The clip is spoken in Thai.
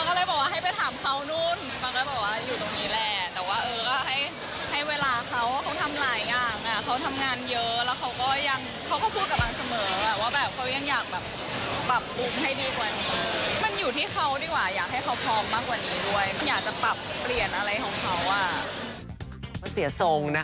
มันก็เลยเหมือนแบบเอ๊ยทำไมไม่เรียกแฟนสักทีอะไรอย่างเงี้ย